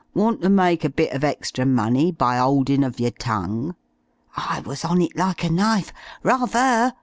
'Want ter make a bit of extra money by 'oldin' of your tongue?' I was on it like a knife. 'Ra _ther!